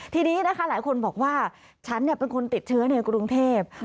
ทีนี้นะคะหลายคนบอกว่าฉันเป็นคนติดเชื้อในกรุงเทพ